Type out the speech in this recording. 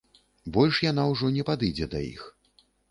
Больш яна ўжо не падыдзе да іх!